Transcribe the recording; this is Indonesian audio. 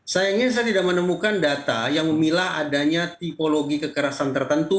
sayangnya saya tidak menemukan data yang memilah adanya tipologi kekerasan tertentu